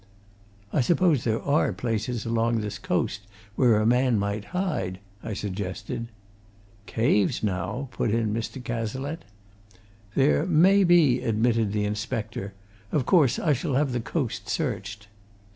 "I suppose there are places along this coast where a man might hide?" I suggested. "Caves, now?" put in Mr. Cazalette. "There may be," admitted the inspector. "Of course I shall have the coast searched."